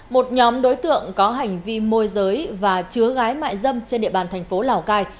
một nhóm đối tượng có hành vi môi giới và chứa gái mại dâm trên địa bàn thành phố lào cai